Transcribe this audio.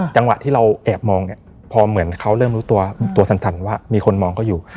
จังหวะที่เราแอบมองเนี่ยพอเหมือนเขาเริ่มรู้ตัวสั่นว่ามีคนมองเขาอยู่